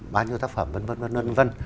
bao nhiêu tác phẩm vân vân vân vân